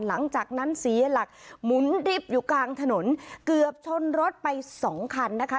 หลังจากนั้นเสียหลักหมุนริบอยู่กลางถนนเกือบชนรถไปสองคันนะคะ